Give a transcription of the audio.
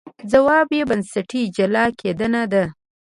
ځواب یې بنسټي جلا کېدنه ده.